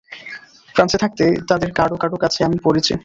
ফ্রান্সে থাকতে তাঁদের কারো কারো কাছে আমি পড়েছি।